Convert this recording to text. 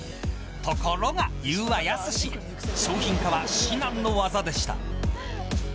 ところが、言うは易し商品化は至難の技でした。